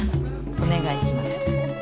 お願いします。